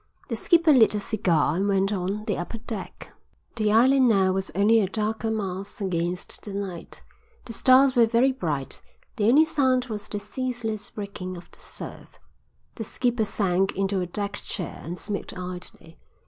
The skipper lit a cigar and went on the upper deck. The island now was only a darker mass against the night. The stars were very bright. The only sound was the ceaseless breaking of the surf. The skipper sank into a deck chair and smoked idly.